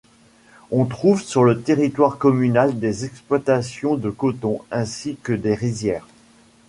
On trouve sur le territoire communal des exploitations de coton ainsi que des rizières.